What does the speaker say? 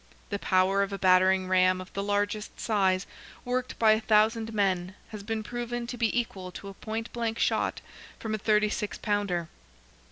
The power of a battering ram of the largest size, worked by a thousand men, has been proven to be equal to a point blank shot from a thirty six pounder.